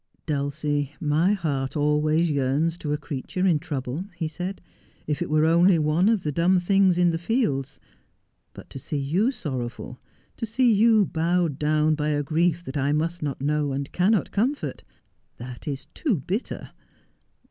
' Dulcie, my heart always yearns to a creature in trouble,' he said, ' if it were only one of the dumb things in the fields—but to see you sorrowful, to see you bowed down by a grief that I must not know and cannot comfort — that is too bitter.